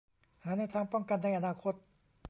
หาแนวทางป้องกันในอนาคต